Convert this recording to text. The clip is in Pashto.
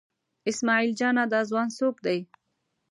اسمعیل جانه دا ځوان څوک دی؟